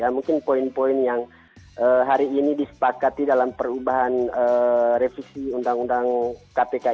mungkin poin poin yang hari ini disepakati dalam perubahan revisi undang undang kpk ini